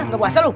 gak puasa lu